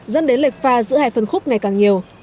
dẫn đến lệch pha giữa hai phân khúc ngày càng nhiều